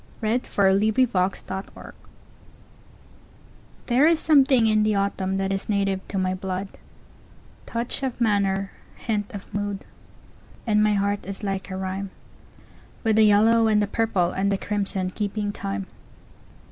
1917. Bliss Carman A Vagabond Song THERE is something in the autumn that is native to my blood—Touch of manner, hint of mood; And my heart is like a rhyme, With the yellow and the purple and the crimson keeping time.